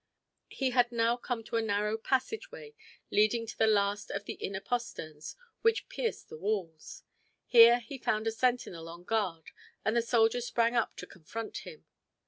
He had now come to a narrow passageway leading to the last of the inner posterns which pierced the walls. Here he found a sentinel on guard and the soldier sprang up to confront him.